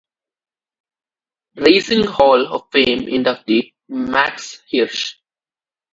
Racing Hall of Fame inductee Max Hirsch.